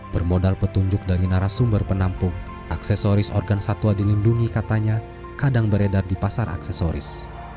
bermodal petunjuk dari narasumber penampung aksesoris organ satwa dilindungi katanya kadang beredar di pasar aksesoris